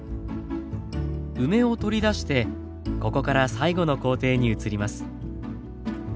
梅を取り出してここから最後の工程に移ります。